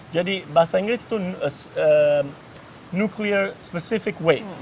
jadi bahasa inggris itu nuklir specific weight